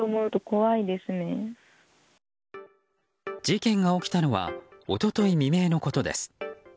事件が起きたのは一昨日未明のことです。